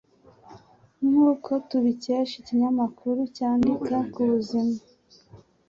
Nkuko tubikesha ikinyamakuru cyandika ku buzima